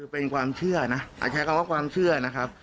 เป็นความเชื่อนะใช้คำว่าความเชื่อนะครับ